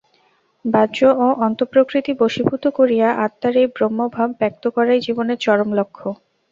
বাহ্য ও অন্তঃপ্রকৃতি বশীভূত করিয়া আত্মার এই ব্রহ্মভাব ব্যক্ত করাই জীবনের চরম লক্ষ্য।